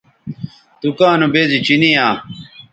دکاں نو بیزی چینی یاں